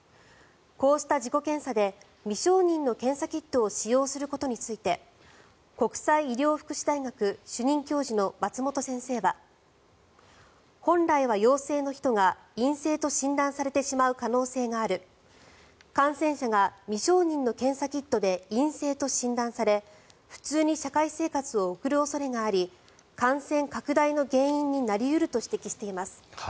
こうした自己検査で未承認の検査キットを使用することについて国際医療福祉大学主任教授の松本先生は本来は陽性の人が陰性と診断されてしまう可能性がある感染者が未承認の検査キットで陰性と診断され普通に社会生活を送る恐れがあり感染拡大の原因になり得ると指摘しています。